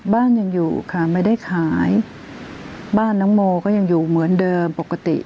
บ้านยังอยู่ค่ะไม่ได้ขายบ้านน้องโมก็ยังอยู่เหมือนเดิมปกติ